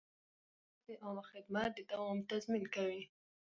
اداره د عامه خدمت د دوام تضمین کوي.